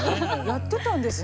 やってたんですね